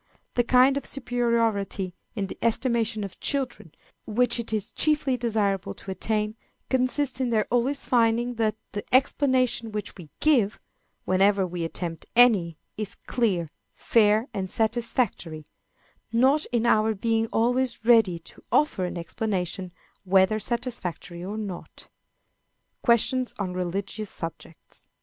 The kind of superiority, in the estimation of children, which it is chiefly desirable to attain, consists in their always finding that the explanation which we give, whenever we attempt any, is clear, fair, and satisfactory, not in our being always ready to offer an explanation, whether satisfactory or not. _Questions on Religious Subjects.